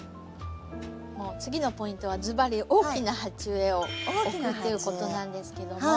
次のポイントはずばり大きな鉢植えを置くっていうことなんですけども。